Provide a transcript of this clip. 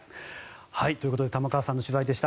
ということで玉川さんの取材でした。